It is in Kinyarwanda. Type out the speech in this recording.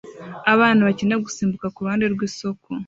Abana bakina gusimbuka kuruhande rwisoko